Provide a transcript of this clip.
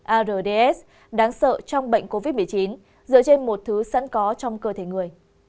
ards đáng sợ trong bệnh covid một mươi chín dựa trên một thứ sẵn có trong cơ thể người